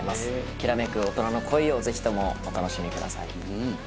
きらめく大人の恋をぜひともお楽しみください。